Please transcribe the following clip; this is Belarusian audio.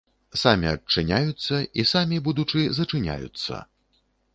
Самі адчыняюцца і самі, будучы, зачыняюцца.